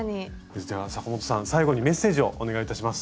じゃあ阪本さん最後にメッセージをお願いいたします。